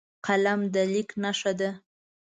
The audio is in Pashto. قلم د لیک نښه ده